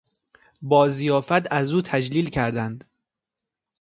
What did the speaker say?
با ضیافت از او تجلیل کردند.